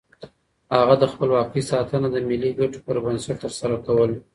هغه د خپلواکۍ ساتنه د ملي ګټو پر بنسټ ترسره کوله.